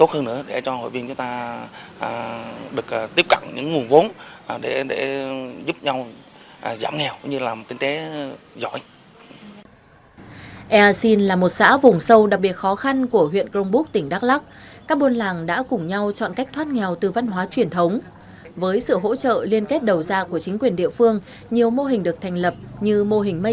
hội viên đã trả lại nguồn vốn để các hộ khó khăn hơn được vay